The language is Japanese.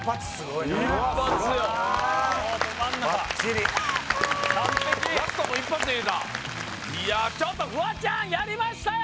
いやちょっとフワちゃんやりましたよ！